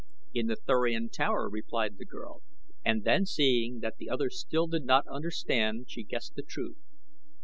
"In The Thurian Tower," replied the girl, and then seeing that the other still did not understand she guessed the truth.